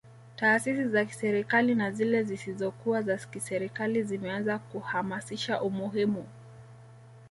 Taasisi za kiserikali na zile zisizokuwa za kiserikali zimeanza kuhamasisha umuhimu